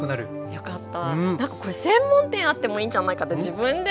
よかった。